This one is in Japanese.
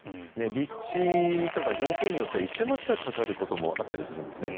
立地とか条件によっては１０００万近くかかることもあったりするんですね。